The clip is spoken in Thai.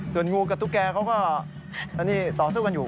ส่วนงูกับตุ๊กแกเขาก็ต่อสู้กันอยู่